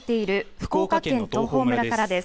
福岡県東峰村です。